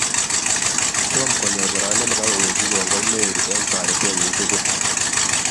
Tom komanyoor boroindo nebo kowekchi kongoi Mary eng toretenyi tugul.